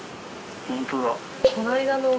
ホントだ。